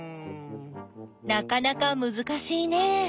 なかなかむずかしいね。